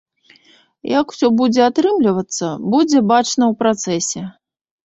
Як усё будзе атрымлівацца, будзе бачна ў працэсе.